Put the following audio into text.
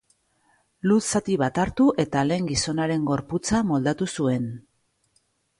Lur zati bat hartu eta lehen gizonaren gorputza moldatu zuen